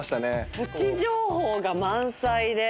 プチ情報が満載で。